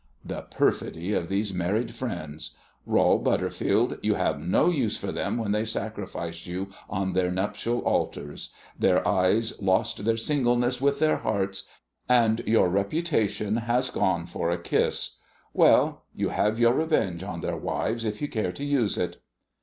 The perfidy of these married friends! Rol Butterfield, you have no use for them when they sacrifice you on their nuptial altars. Their eyes lost their singleness with their hearts, and your reputation has gone for a kiss. Well, you have your revenge on their wives, if you care to use it.